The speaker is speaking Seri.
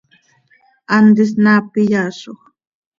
Hant isnaap iyaazoj.